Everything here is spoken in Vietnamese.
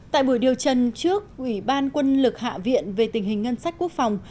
tại buổi điều trần trước ủy ban quân lực hạ viện về tình hình ngân sách quốc phòng